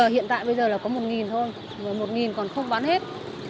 hiện tại bây giờ là có một nghìn thôi một nghìn còn không bán hết